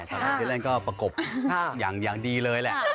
เค้าโดนเด่นเล่นก็ประกบอย่างดีเลยแหละ